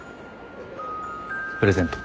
プレゼント。